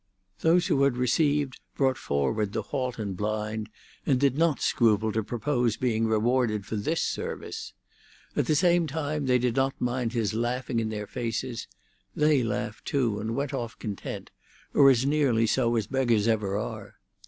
Those who had received brought forward the halt and blind, and did not scruple to propose being rewarded for this service. At the same time they did not mind his laughing in their faces; they laughed too, and went off content, or as nearly so as beggars ever are.